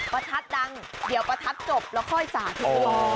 ประทัดดังเดี๋ยวประทัดจบแล้วค่อยสาธุ